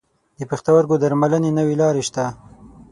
د پښتورګو درملنې نوي لارې شته.